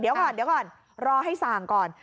เดี๋ยวก่อนเดี๋ยวก่อนรอให้สั่งก่อน